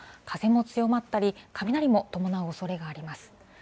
風も強まったり、雷も伴うおそれがあります。